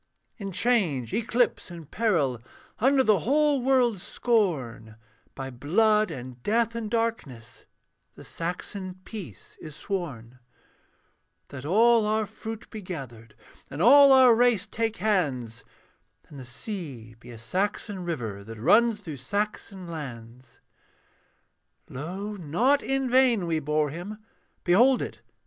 In change, eclipse, and peril, Under the whole world's scorn, By blood and death and darkness The Saxon peace is sworn; That all our fruit be gathered, And all our race take hands, And the sea be a Saxon river That runs through Saxon lands. Lo! not in vain we bore him; Behold it!